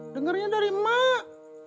dengernya dari emak